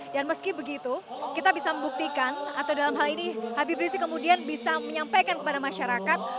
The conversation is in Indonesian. dan meski begitu kita bisa membuktikan atau dalam hal ini habib rizik kemudian bisa menyampaikan kepada masyarakat